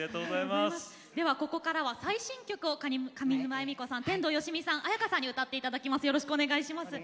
ここからは最新曲を上沼恵美子さん、天童よしみさん絢香さんに歌っていただきます。